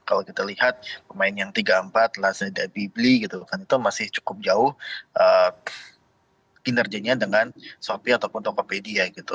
kalau kita lihat pemain yang tiga empat lazada bli gitu kan itu masih cukup jauh kinerjanya dengan shopee ataupun tokopedia gitu